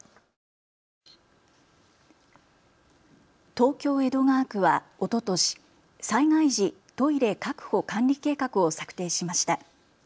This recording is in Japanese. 東京江戸川区はおととし災害時トイレ確保・管理計画を策定しました。